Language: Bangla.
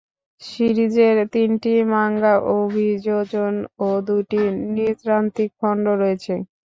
সিরিজের তিনটি মাঙ্গা অভিযোজন ও দুটি নৃতাত্ত্বিক খণ্ড রয়েছে।